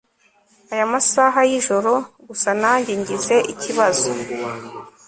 aya masaha yijoro gusa nanjye ngize ikibazo